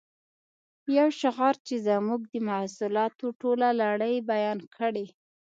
یو شعار چې زموږ د محصولاتو ټوله لړۍ بیان کړي